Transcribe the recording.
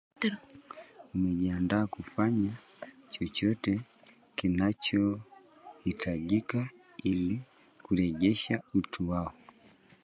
wamejiandaa kufanya chochote kinachohitajika ili kurejesha utu wao